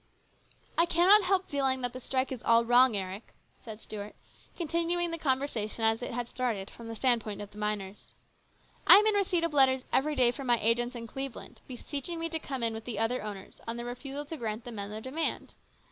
" I cannot help feeling that this strike is all wrong, Eric," said Stuart, continuing the conversation as it had started from the standpoint of the miners. " I am in receipt of letters every day from my agents in Cleveland, beseeching me to come in with the other owners on their refusal to grant the men their demand.